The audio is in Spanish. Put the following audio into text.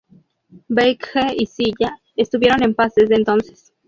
Baekje y Silla estuvieron en paz desde entonces.